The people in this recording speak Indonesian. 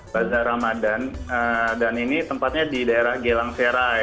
bazar ramadan dan ini tempatnya di daerah gelang serai